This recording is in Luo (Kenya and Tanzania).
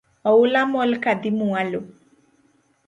Oula mol kadhi mwalo